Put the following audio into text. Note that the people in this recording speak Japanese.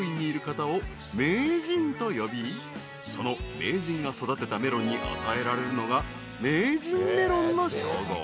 ［その名人が育てたメロンに与えられるのが名人メロンの称号］